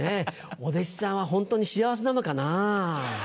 お弟子さんはホントに幸せなのかなぁ。